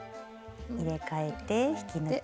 入れかえて引き抜き編み。